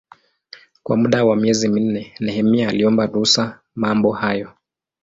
Kwa muda wa miezi minne Nehemia aliomba kuhusu mambo hayo.